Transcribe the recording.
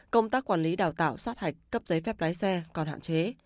công tác quản lý đào tạo sát hạch cấp giấy phép lái xe còn hạn chế